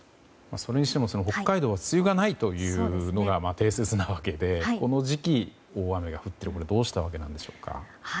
それにしても、北海道は梅雨がないというのが定説なわけでこの時期、大雨が降るのはこれはどうしたわけなんでしょうか。